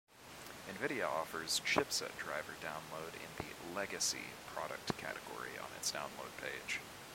Nvidia offers chipset driver download in the "Legacy" product category on its download page.